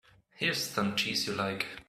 Here's some cheese you like.